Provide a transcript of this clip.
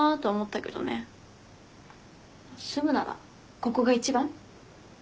住むならここが一番。